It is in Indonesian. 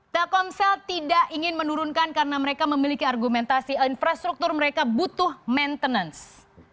telkomsel tidak ingin menurunkan karena mereka memiliki argumentasi infrastruktur mereka butuh maintenance